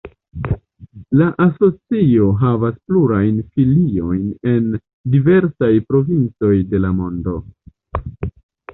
La asocio havas plurajn filiojn en diversaj provincoj de la lando.